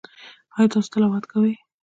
ایا تاسو تلاوت کوئ؟